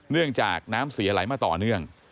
เนื่องจากน้ำเสียไหลมาต่อเนื่อง